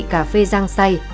cà phê giang say